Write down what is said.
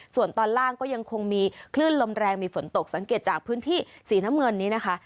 ส่วนตอนล่างก็ยังคงมีคลื่นลมแรงมีฝนตกสังเกตจากพื้นที่สีน้ำเงินนี้นะคะ